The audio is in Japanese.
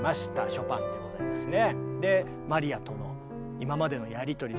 ショパンでございますね。